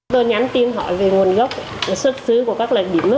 tôi nhắn tin hỏi về nguồn gốc xuất xứ của các loại biểm